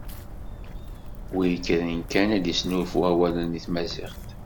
Wi ikkren kan ad d-isnulfu awalen i tmaziɣt.